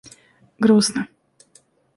грустно